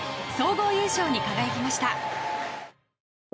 総合優勝に輝きました。